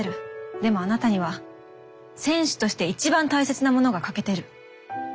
でもあなたには選手としていちばん大切なものが欠けてる。